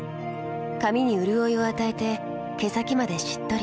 髪にうるおいを与えて毛先までしっとり。